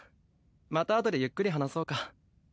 またあとでゆっくり話そうか。